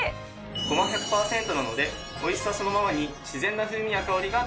ごま１００パーセントなので美味しさそのままに自然な風味や香りが楽しめます。